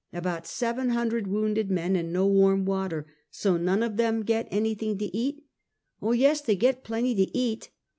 " About seven hundred wounded men, and no warm water! So none of them get anj^thing to eat!" " Oh, yes! they get plenty to eat."